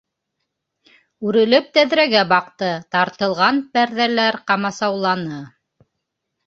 Үрелеп тәҙрәгә баҡты, тартылған пәрҙәләр ҡамасауланы.